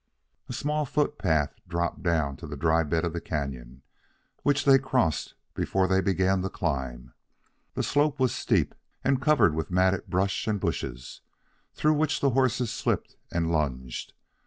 A small footpath dropped down to the dry bed of the canon, which they crossed before they began the climb. The slope was steep and covered with matted brush and bushes, through which the horses slipped and lunged.